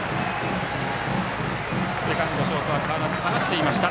セカンド、ショートは変わらず下がっていました。